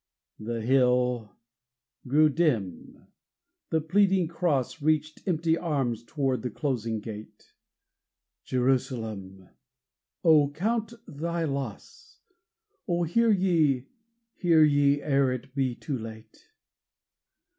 The hill grew dim the pleading cross Reached empty arms toward the closing gate. Jerusalem, oh, count thy loss! Oh, hear ye! hear ye! ere it be too late!